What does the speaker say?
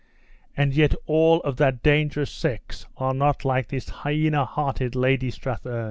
And yet all of that dangerous sex are not like this hyena hearted Lady Strathearn.